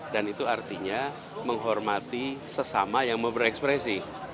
dan itu artinya menghormati sesama yang mau berekspresi